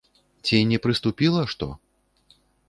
Ці не прыступіла што?